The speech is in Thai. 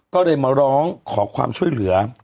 ก็เลยมาร้องขอความช่วยเหลือ